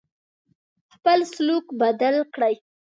خپل سلوک بدل کړی.